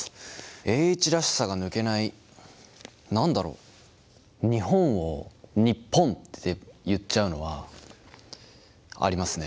栄一らしさが抜けない何だろう？って言っちゃうのはありますね。